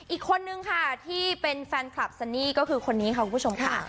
อีกคนนึงค่ะที่เป็นแฟนคลับซันนี่ก็คือคนนี้ค่ะคุณผู้ชมค่ะ